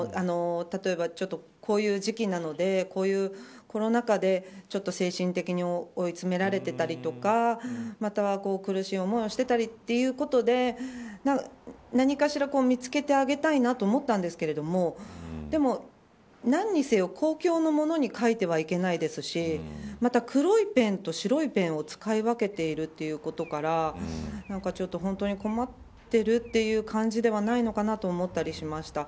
例えば、ちょっとこういう時期なのでコロナ禍でちょっと精神的に追い詰められていたりとかまたは苦しい思いをしていたりということで何かしら見つけてあげたいなと思ったんですけれどもでも、何にせよ公共のものに書いてはいけないですしまた、黒いペンと白いペンを使い分けているということからちょっと本当に困っているという感じではないのかなと思ったりしました。